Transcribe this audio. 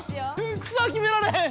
クソ決められへん。